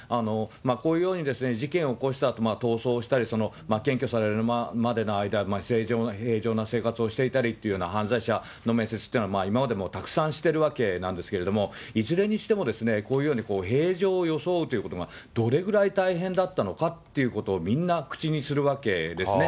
こういうように事件を起こした、逃走したり、検挙されるまでの間、平常な生活をしていたりというような犯罪者の面接っていうのは、今までもたくさんしてるわけなんですけれども、いずれにしてもこういうように平常を装うってことが、どれぐらい大変だったのかということをみんな口にするわけですね。